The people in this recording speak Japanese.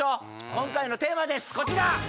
今回のテーマですこちら！